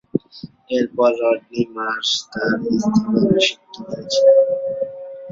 এরপর Rodney Marsh তার স্থলাভিষিক্ত হয়েছিলেন।